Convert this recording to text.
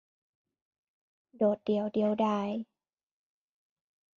โดดเดี่ยวเดียวดาย